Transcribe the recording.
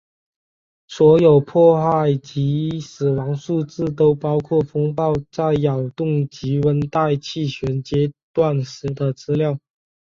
所有破坏及死亡数字都包括风暴在扰动及温带气旋阶段时的资料。